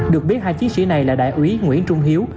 được biết hai chiếc xe này là đại úy nguyễn trung hiếu